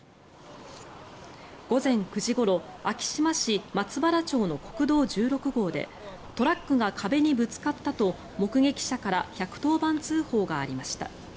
午前９時ごろ昭島市松原町の国道１６号でトラックが壁にぶつかったと目撃者から１１０番通報がありました。